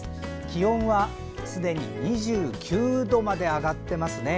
気温はすでに２９度まで上がってますね。